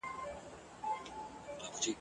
چي پیدا سوه د ماښام ډوډۍ حلاله ..